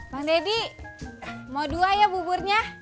bang deddy mau dua ya buburnya